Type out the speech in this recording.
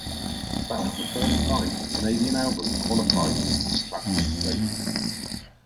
This was the first time a Canadian album qualified for platinum status.